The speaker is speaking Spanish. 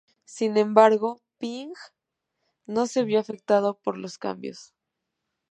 Sin embargo, Penang no se vio afectado por los cambios.